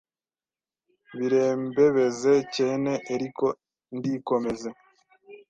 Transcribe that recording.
birembebeze cyene eriko ndikomeze